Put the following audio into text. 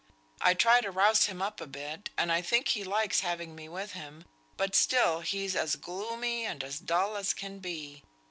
I try to rouse him up a bit, and I think he likes having me with him, but still he's as gloomy and as dull as can be.